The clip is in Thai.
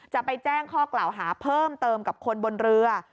จะไปแจ้งข้อกล่าวหาเพิ่มเติมกับคนบนเรือ